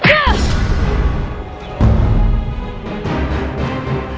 aku akan menyerangmu